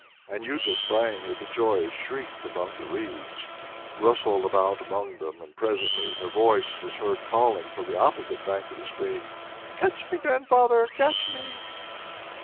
Anjuta sprang with a joyous shriek among the reeds, rustled about among them, and presently her voice was heard calling from the opposite bank of the stream, "Catch me, Grandfather! Catch me!"